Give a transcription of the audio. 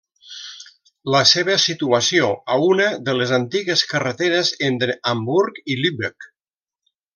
La seva situació a una de les antigues carreteres entre Hamburg i Lübeck.